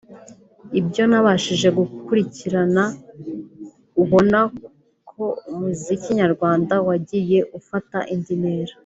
ibyo nabashije gukurikirana ubona ko umuziki nyarwanda wagiye ufata indi ntera